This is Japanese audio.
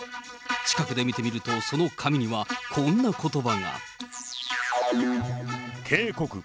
近くで見てみると、その紙にはこんなことばが。